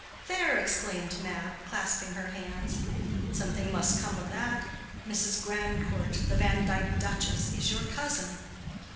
"There!" exclaimed Mab, clasping her hands. "Something must come of that. Mrs. Grandcourt, the Vandyke duchess, is your cousin?"